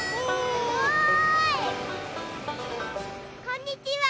こんにちは！